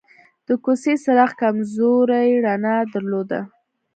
د کوڅې څراغ کمزورې رڼا درلوده.